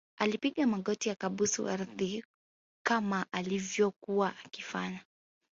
alipiga magoti akabusu ardhi kama alivyokuwa akifanya